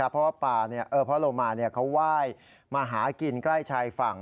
เพราะโลมาเขาไหว้มาหากินใกล้ชายฝั่ง